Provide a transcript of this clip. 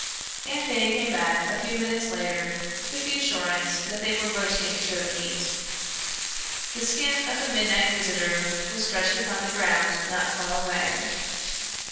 Aunt Fanny came back a few minutes later with the assurance that they were roasting goat meat. The skin of the midnight visitor was stretched upon the ground not far away.